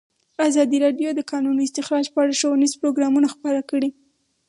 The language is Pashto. ازادي راډیو د د کانونو استخراج په اړه ښوونیز پروګرامونه خپاره کړي.